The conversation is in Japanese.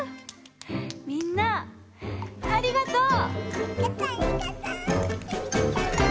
みんなありがとう！